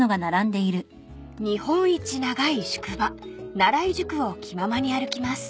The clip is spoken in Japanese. ［日本一長い宿場奈良井宿を気ままに歩きます］